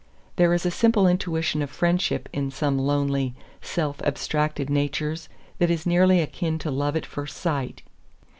There is a simple intuition of friendship in some lonely, self abstracted natures that is nearly akin to love at first sight.